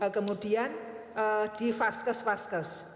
kemudian di vaskes vaskes